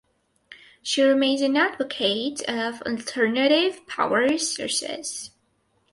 She remains an advocate of alternative power sources.